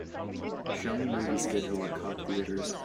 Show me movie schedule at Cobb Theatres